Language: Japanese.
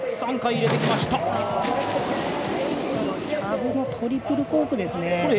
キャブのトリプルコークですね。